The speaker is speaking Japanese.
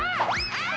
あっ！